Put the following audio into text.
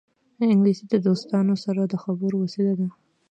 انګلیسي د دوستانو سره د خبرو وسیله ده